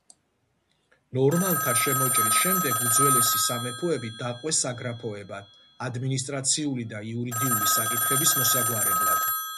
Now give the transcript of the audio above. ნორმანთა შემოჭრის შემდეგ უძველესი სამეფოები დაჰყვეს საგრაფოებად ადმინისტრაციული და იურიდიული საკითხების მოსაგვარებლად.